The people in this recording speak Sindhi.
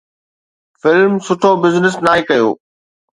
فلم سٺو بزنس ناهي ڪيو.